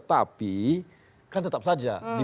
tapi kan tetap saja